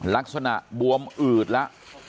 ลักษณะบวมอืดละ